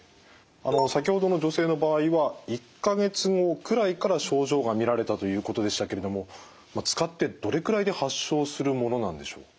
先ほどの女性の場合は１か月後くらいから症状が見られたということでしたけれども使ってどれくらいで発症するものなんでしょう？